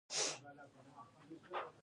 هغه بله برخه لوی ځمکوال ته ورکوي